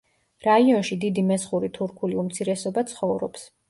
რაიონში დიდი მესხური თურქული უმცირესობა ცხოვრობს.